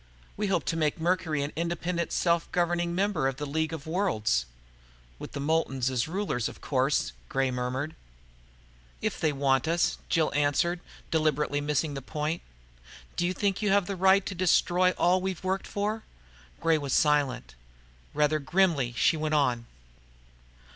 We hope to make Mercury an independent, self governing member of the League of Worlds." "With the Moultons as rulers, of course," Gray murmured. "If they want us," answered Jill, deliberately missing the point. "Do you think you have the right to destroy all we've worked for?" Gray was silent. Rather grimly, she went on.